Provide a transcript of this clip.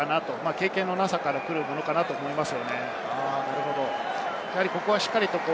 経験のなさからくるものかなと思います。